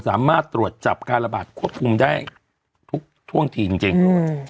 สามารถตรวจจับการระบาดควบคุมได้ทุกท่วงทีจริงจริงอืม